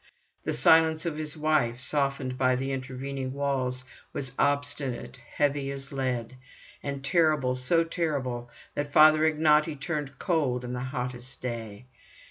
The silence of his wife, softened by the intervening walls, was obstinate, heavy as lead; and terrible, so terrible that Father Ignaty turned cold on the hottest day.